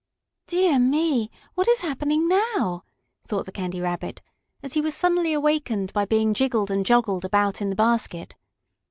"Dear me! what is happening now?" thought the Candy Rabbit, as he was suddenly awakened by being jiggled and joggled about in the basket.